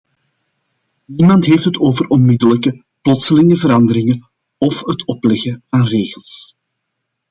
Niemand heeft het over onmiddellijke, plotselinge verandering of het opleggen van regels.